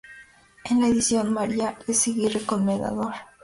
En la edición: María Eizaguirre Comendador.